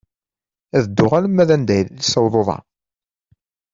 Ad dduɣ alma d anda yessaweḍ uḍar.